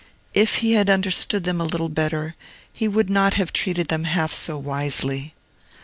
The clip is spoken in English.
If he had understood them a little better, he would not have treated them half so wisely.